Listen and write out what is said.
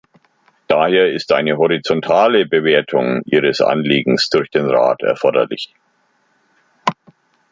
Daher ist eine horizontale Bewertung Ihres Anliegens durch den Rat erforderlich.